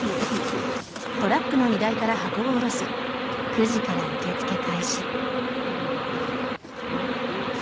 ９時から受け付け開始。